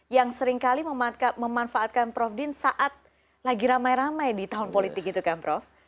yang seringkali memanfaatkan prof din saat lagi ramai ramai di tahun politik itu kan prof